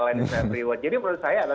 lah ini self rewards jadi menurut saya